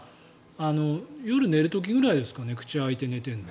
夜、寝る時ぐらいですかね口開いて寝ているの。